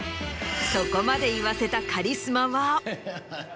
そこまで言わせたカリスマは。